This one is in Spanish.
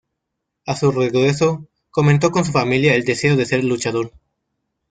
A su regreso, comentó con su familia el deseo de ser luchador.